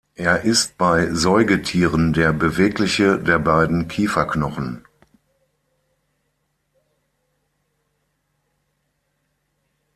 Er ist bei Säugetieren der bewegliche der beiden Kieferknochen.